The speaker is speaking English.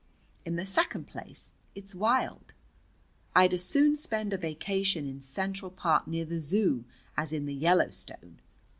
In the second place, it's wild. I'd as soon spend a vacation in Central Park near the Zoo as in the Yellowstone.